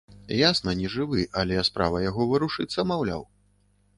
Ясна, нежывы, але справа яго варушыцца, маўляў!